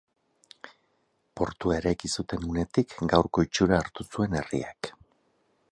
Portua eraiki zuten unetik gaurko itxura hartu zuen herriak.